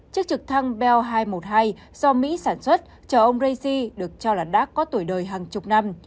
chiếc trực thăng bel hai trăm một mươi hai do mỹ sản xuất chờ ông raisi được cho là đã có tuổi đời hàng chục năm